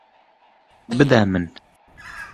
Bide min.